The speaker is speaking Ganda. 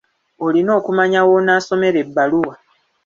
Olina okumanya w'onaasomera ebbaluwa.